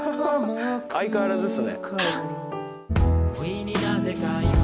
相変わらずっすね。